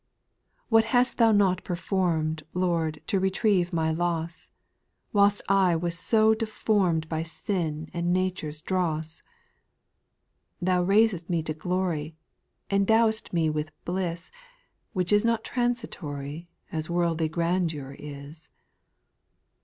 8. What hast Thou not performed, Lord to retrieve my loss, Whilst I was so deformed By sin and nature's dross I Thou raised'st me to glory, Endowed'st me with bliss. Which is not transitory, As worldly grandeur is.